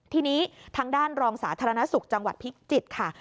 ทีนี้ทางด้านรองสาธารณสุขจังหวัดพิจิตรค่ะ